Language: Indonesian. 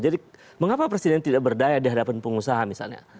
jadi mengapa presiden tidak berdaya di hadapan pengusaha misalnya